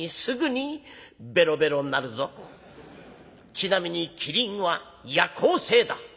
ちなみにキリンは夜行性だ」。